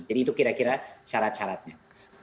jadi itu kira kira syarat syaratnya